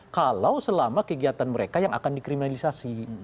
kalau selama kegiatan mereka yang akan dikriminalisasi